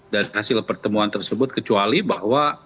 dan hasil pertemuan tersebut kecuali bahwa